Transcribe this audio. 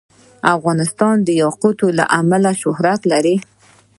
افغانستان د یاقوت له امله شهرت لري.